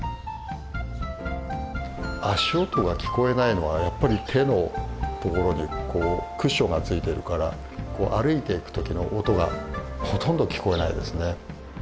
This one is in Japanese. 足音が聞こえないのはやっぱり手のところにこうクッションがついてるから歩いていく時の音がほとんど聞こえないですね。